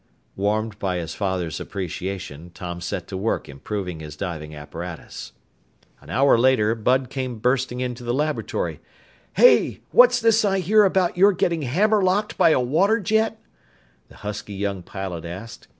Warmed by his father's appreciation, Tom set to work improving his diving apparatus. An hour later Bud came bursting into the laboratory. "Hey! What's this I hear about your getting hammerlocked by a water jet?" the husky young pilot asked.